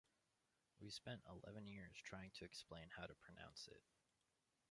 We spent eleven years trying to explain how to pronounce it.